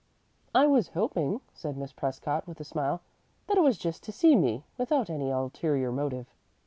"I was hoping," said Miss Prescott, with a smile, "that it was just to see me, without any ulterior motive."